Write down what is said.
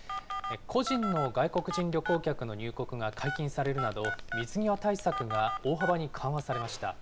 個人の外国人旅行客の入国が解禁されるなど、水際対策が大幅に緩和されました。